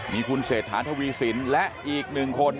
มีคุณเศรษฐาทวีสินและอีกหนึ่งคน